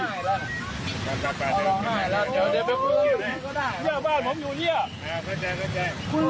คุณรู้ไหมคุณพันเด็กมองไม่เห็นเนี่ยเขามาทำอาหารจริงเนี่ย